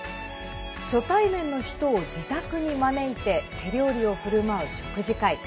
初対面の人を自宅に招いて手料理をふるまう食事会。